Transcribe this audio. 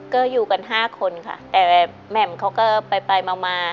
ก็อยู่กัน๕คนค่ะแต่แหม่มเขาก็ไปมา